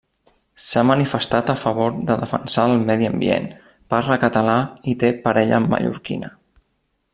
S'ha manifestat a favor de defensar el medi ambient, parla català i té parella mallorquina.